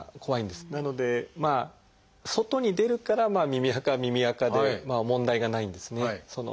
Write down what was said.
なので外に出るから耳あかは耳あかで問題がないんですね。